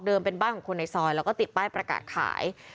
เป็นบ้านของคนในซอยแล้วก็ติดป้ายประกาศขาย